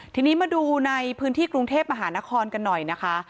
ทีนี้มาดูในพื้นที่กรุงเทพมหานครกันหน่อยนะคะ